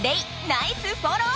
ナイスフォロー！